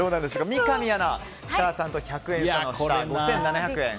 三上アナ、設楽さんと１００円差の５７００円。